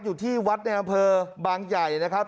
อยู่ที่วัดในอำเภอบางใหญ่นะครับ